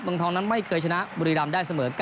เมืองทองนั้นไม่เคยชนะบุรีรำได้เสมอ๙